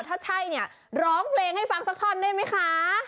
ถ้าใช่เนี่ยร้องเพลงให้ฟังสักท่อนได้ไหมคะ